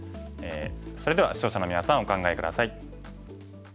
それでは視聴者のみなさんお考え下さい。